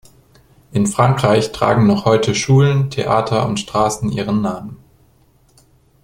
In Frankreich tragen noch heute Schulen, Theater und Straßen ihren Namen.